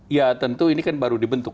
ya tentu ini kan baru dibentuk